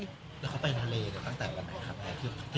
แล้วเขาไปทะเลเนี่ยค่อนข้างคือไหนค่ะ